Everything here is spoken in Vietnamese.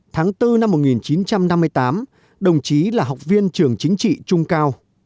tháng bốn năm một nghìn chín trăm năm mươi tám đồng chí là học viên trường chính trị trung cao